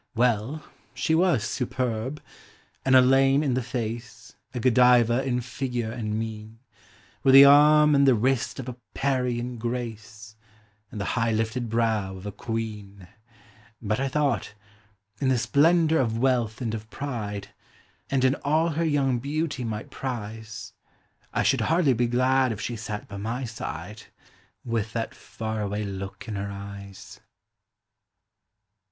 Well, she was superb an Elaine in the face, A Godiva in figure and mien, With the arm and the wrist of a Parian "Grace," And the high lifted brow of a queen; But I thought, in the splendor of wealth and of pride, And in all her young beauty might prize, I should hardly be glad if she sat by my side With that far away look in her eyes.